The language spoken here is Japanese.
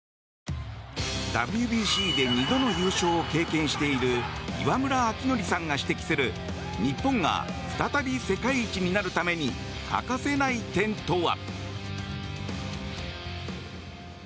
ＷＢＣで２度の優勝を経験している岩村明憲さんが指摘する日本が再び世界一になるために欠かせない点とは？